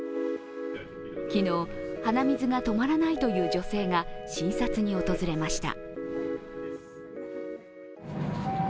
昨日、鼻水が止まらないという女性が診察に訪れました。